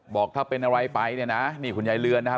บอกถ้าเป็นอะไรไปเนี่ยนะนี่คุณยายเรือนนะครับ